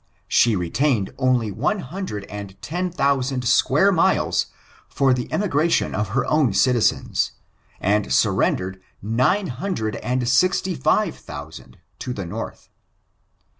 She retained only one hundred and ten thousand square miles for the emigration of her own citizens, and sur rendered nine hundred and sixty five thousand to the North.